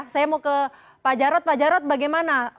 saya mau ke pak jarot pak jarot bagaimana